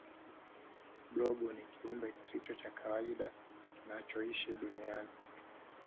blob ni kiumbe kisicho cha kawaida kinachoishi duniani